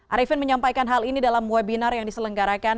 arifin menyampaikan hal ini dalam webinar yang diselenggarakan